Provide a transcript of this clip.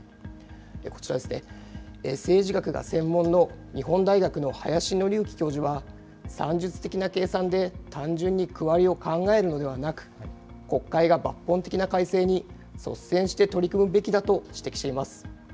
こちら、政治学が専門の日本大学の林紀行教授は、算術的な計算で単純に区割りを考えるのではなく、国会が抜本的な改正に率先して取り組むべきだと指摘しています。